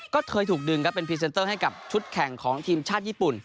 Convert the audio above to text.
ก็เคยถูกดึงครับเป็นพรีเซนเตอร์ให้กับชุดแข่งของทีมชาติญี่ปุ่น